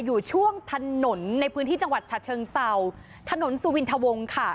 อยู่ช่วงถนนในพื้นที่จังหวัดฉะเชิงเศร้าถนนสุวินทวงค่ะ